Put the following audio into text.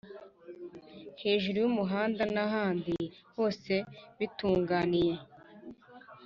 hejuru y'umuhanda n'ahandi hose bitunganiye